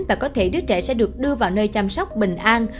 và có thể đứa trẻ sẽ được đưa vào nơi chăm sóc bình an